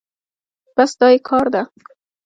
بس دا يې کار ده.